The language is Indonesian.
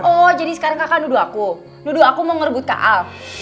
oh jadi sekarang kakak duduk aku duduk aku mau ngerebut kak al